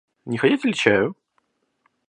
Не хотите ли чаю?